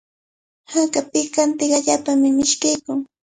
Haka pikantiqa allaapami mishkiykun.